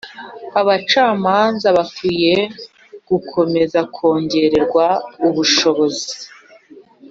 abacamanza bakwiye gukomeza kongererwa ubushobozi